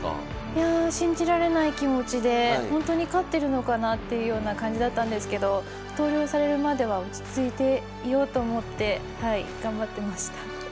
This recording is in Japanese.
いや信じられない気持ちでほんとに勝ってるのかなっていうような感じだったんですけど投了されるまでは落ち着いていようと思って頑張ってました。